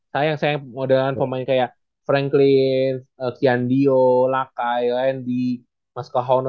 sayang sayang modelan pemain kayak franklin kian dio lakai lain di mas kahono